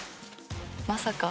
まさか。